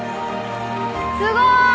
すごーい！